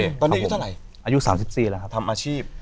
ครับผมตอนนี้อยู่เต้าไหนอายุสามสิบซี่แล้วครับทำอาชีพ